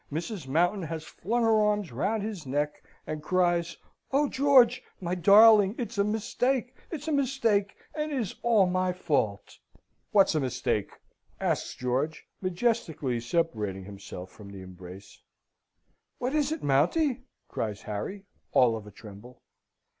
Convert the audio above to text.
Mrs. Mountain has flung her arms round his neck and cries: "Oh, George, my darling! It's a mistake! It's a mistake, and is all my fault!" "What's a mistake?" asks George, majestically separating himself from the embrace. "What is it, Mounty?" cries Harry, all of a tremble.